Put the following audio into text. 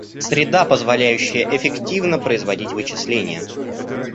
Среда позволяющая эффективно производить вычисления